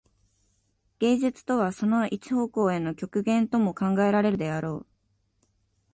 芸術とはその一方向への極限とも考えられるであろう。